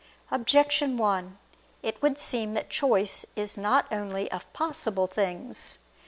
Objection 1: It would seem that choice is not only of possible things.